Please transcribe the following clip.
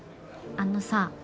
あのさ